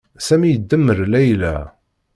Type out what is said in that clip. Sami idemmer Layla.